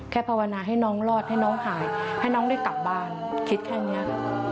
ภาวนาให้น้องรอดให้น้องหายให้น้องได้กลับบ้านคิดแค่นี้